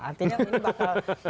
artinya ini bakal